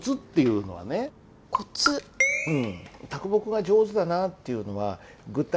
うん。